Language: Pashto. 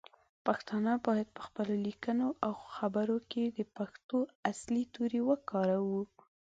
پښتانه باید پخپلو لیکنو او خبرو کې د پښتو اصلی تورې وکاروو.